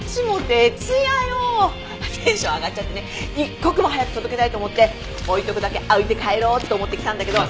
テンション上がっちゃってね一刻も早く届けたいと思って置いとくだけ置いて帰ろうって思って来たんだけど。